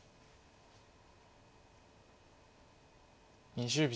２０秒。